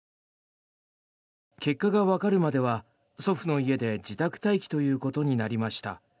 結果がわかるまでは祖父の家で自宅待機ということになりました。